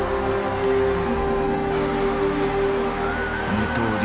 二刀流